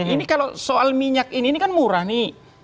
ini kalau soal minyak ini ini kan murah nih